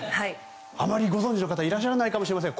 あまりご存じの方いらっしゃらないかもしれません。